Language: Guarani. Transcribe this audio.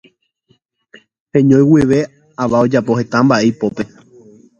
Heñói guive ava ojapo heta mbaʼe ipópe.